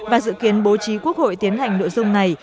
và dự kiến bố trí quốc hội tiến hành nội dung này